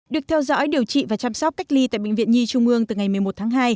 được theo dõi điều trị và chăm sóc cách ly tại bệnh viện nhi trung ương từ ngày một mươi một tháng hai